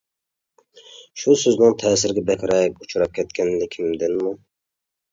شۇ سۆزنىڭ تەسىرىگە بەكرەك ئۇچراپ كەتكەنلىكىمدىنمۇ؟ !